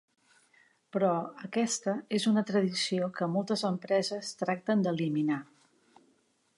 Però, aquesta és una tradició que moltes empreses tracten d'eliminar.